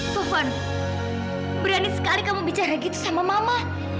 tuhan berani sekali kamu bicara gitu sama mama